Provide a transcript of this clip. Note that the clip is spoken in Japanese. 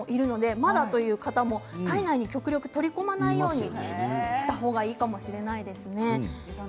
まだという方も体内に取り込まないようにした方がいいかもしれません。